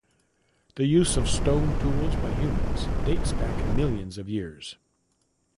The use of stone tools by humans dates back millions of years.